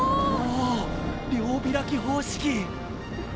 お両開き方式！